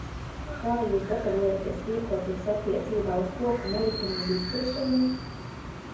Kā jūs gatavojaties rīkoties attiecībā uz koku nelikumīgu izciršanu?